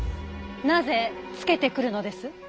なぜつけてくるのです。